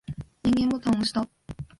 電源ボタンを押した。